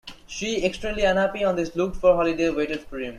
She, extremely unhappy on this looked-for holiday, waited for him.